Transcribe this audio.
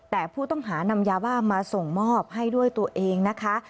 แต่ผู้ต้องหานำยาบ้ามาส่งมอบให้ด้วยตัวเองนะคะ